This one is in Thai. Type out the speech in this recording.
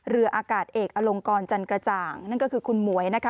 เรืออากาศเอกอลงกรจันกระจ่างนั่นก็คือคุณหมวยนะคะ